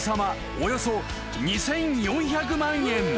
およそ２，４００万円］